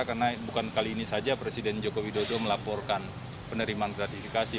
karena bukan kali ini saja presiden jokowi dodo melaporkan penerimaan gratifikasi